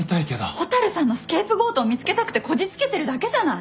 蛍さんのスケープゴートを見つけたくてこじつけてるだけじゃない！